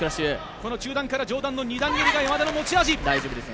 この中段から上段の２段蹴りが山田の持ち味。